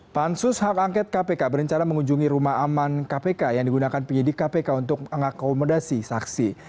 pansus hak angket kpk berencana mengunjungi rumah aman kpk yang digunakan penyidik kpk untuk mengakomodasi saksi